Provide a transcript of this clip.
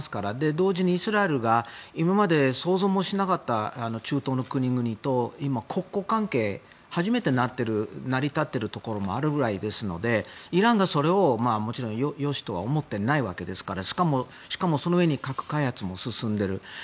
同時にイスラエルが今まで想像もしなかった中東の国々と国交関係初めて成り立っているところもあるぐらいですのでイランがそれをもちろんよしとは思っていないわけですからしかも、そのうえに核開発も進んでいる。